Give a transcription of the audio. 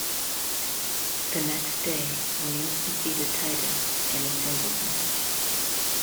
The next day, Williams defeated Titus in a singles match.